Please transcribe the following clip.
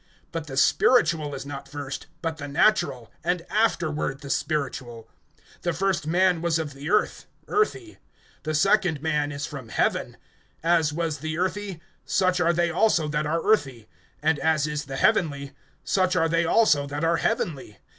(46)But the spiritual is not first, but the natural; and afterward the spiritual. (47)The first man was of the earth, earthy; the second man is from heaven. (48)As was the earthy, such are they also that are earthy; and as is the heavenly, such are they also that are heavenly.